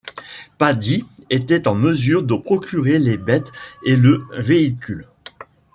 Paddy était en mesure de procurer les bêtes et le véhicule.